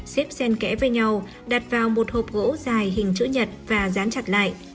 xếp sen kẽ với nhau đặt vào một hộp gỗ dài hình chữ nhật và dán chặt lại